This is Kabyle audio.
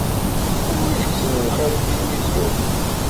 Anwa yekksen lxiḍ i tilivisyu-nni?